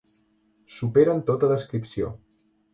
Superen tota descripció.